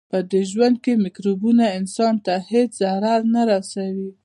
پدې ژوند کې مکروبونه انسان ته هیڅ ضرر نه رسوي.